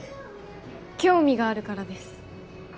興味があるからです